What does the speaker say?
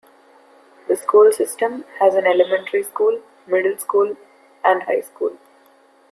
The school system has an elementary school, middle school and high school.